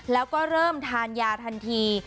แล้วก็เริ่มทานยาทันที